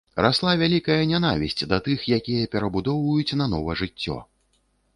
Расла вялікая нянавісць да тых, якія перабудоўваюць нанова жыццё.